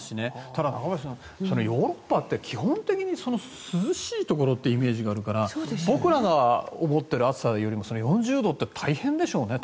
ただ、中林さんヨーロッパって基本的に涼しいところというイメージがあるから僕らが思っている暑さより４０度って大変でしょうね。